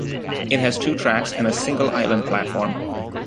It has two tracks and a single island platform.